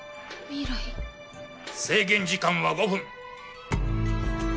制限時間は５分。